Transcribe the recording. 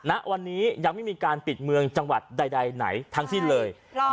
ณวันนี้ยังไม่มีการปิดเมืองจังหวัดใดไหนทั้งสิ้นเลย